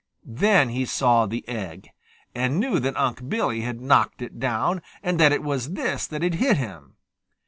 Then he saw the egg, and knew that Unc' Billy had knocked it down, and that it was this that had hit him.